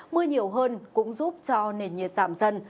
mưa nhiều hơn cũng giúp cho nền nhiệt giảm dần